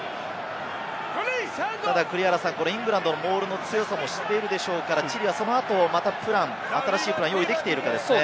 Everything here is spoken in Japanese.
ただイングランドのモールの強さも知ってるでしょうから、チリはその後、また新しいプランが用意できているかですね。